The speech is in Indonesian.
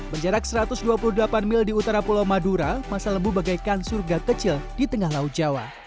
menjarak satu ratus dua puluh delapan mil di utara pulau madura masa lembu bagaikan surga kecil di tengah laut jawa